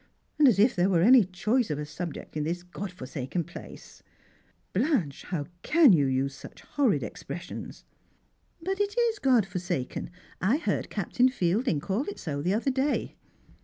And as if thei e were any choice of a subject in this God forsaken place !"" Blanche, how can you use such horrid expressions ?" "But it is God forsaken. I heard Captain Fielding call it so the other day."